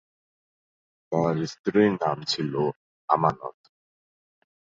তার স্ত্রীর নাম ছিল আমানত।